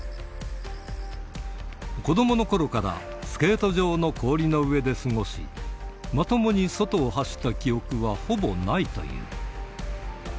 子どものころから、スケート場の氷の上で過ごし、まともに外を走った記憶はほぼないという。